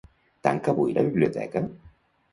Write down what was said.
Tanca avui la biblioteca?